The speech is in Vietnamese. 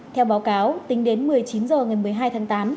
theo báo cáo tính đến một mươi chín h ngày một mươi hai tháng tám